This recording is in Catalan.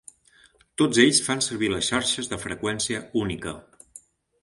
Tots ells fan servir les xarxes de freqüència única.